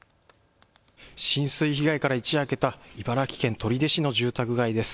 浸水被害から一夜明けた茨城県取手市の住宅街です。